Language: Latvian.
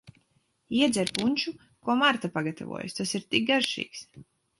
Iedzer punšu, ko Marta pagatavojusi, tas ir tik garšīgs.